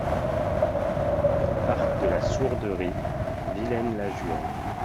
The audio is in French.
Parc de la Sourderie, Villaines-la-Juhel